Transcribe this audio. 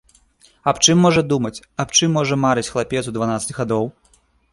Аб чым можа думаць, аб чым можа марыць хлапец у дванаццаць гадоў?